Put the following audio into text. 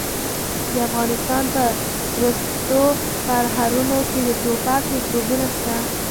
د افغانستان په ورستو پرهرونو کې د ټوپک میکروبونه شته.